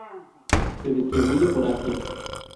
Se distribuye por Asia.